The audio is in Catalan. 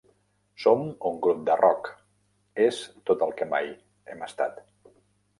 Som un grup de rock, és tot el que mai hem estat.